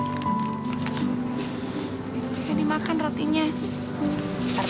gak dimakan rotinya